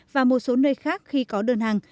và một số nơi khác khi có đơn hàng